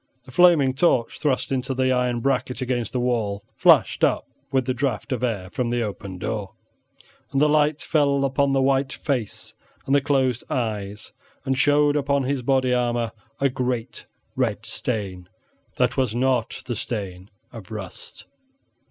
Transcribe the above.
The flaming torch thrust into the iron bracket against the wall flashed up with the draught of air from the open door, and the light fell upon the white face and the closed eyes, and showed upon his body armor a great red stain that was not the stain of rust.